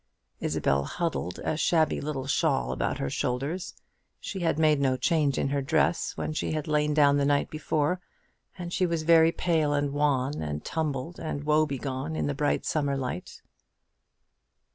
Isabel huddled a shabby little shawl about her shoulders; she had made no change in her dress when she had lain down the night before; and she was very pale and wan, and tumbled and woebegone, in the bright summer light.